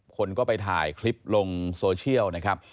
คนก็ไปถ่ายคลิปลงโซเชียลนะครับ